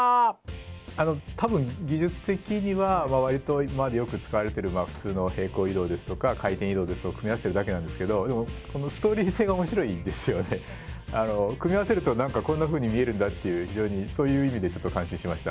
あの多分技術的には割と今までよく使われている普通の平行移動ですとか回転移動ですとか組み合わせてるだけなんですけど組み合わせるとこんなふうに見えるんだっていう非常にそういう意味でちょっと感心しました。